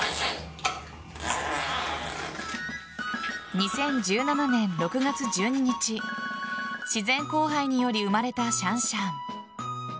２０１７年６月１２日自然交配により生まれたシャンシャン。